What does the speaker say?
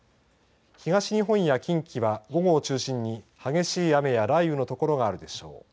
東日本や近畿は、午後を中心に激しい雨や雷雨の所があるでしょう。